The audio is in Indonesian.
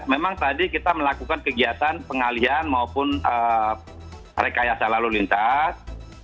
memang tadi kita melakukan kegiatan pengalian maupun rekayasa lalu lintas